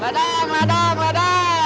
ledang ledang ledang